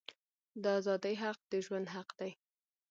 د آزادی حق د ژوند حق دی.